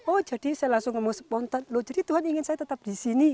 oh jadi saya langsung ngomong spontan loh jadi tuhan ingin saya tetap di sini